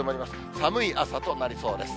寒い朝となりそうです。